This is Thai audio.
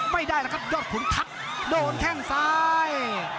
ไม่ได้แล้วครับยอดขุนทัพโดนแข้งซ้าย